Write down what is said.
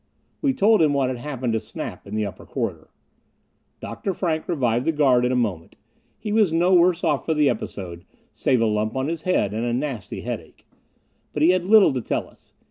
We told him what had happened to Snap in the upper corridor. Dr. Frank revived the guard in a moment. He was no worse off for the episode, save a lump on his head, and a nasty headache. But he had little to tell us.